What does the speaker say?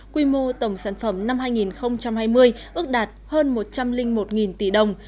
quy mô tổng sản phẩm năm hai nghìn hai mươi ước đạt hơn một trăm linh một tỷ đồng